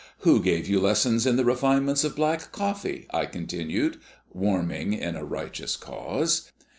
"Who gave you lessons in the refinements of black coffee?" I continued, warming in a righteous cause.